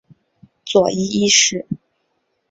佐伊一世。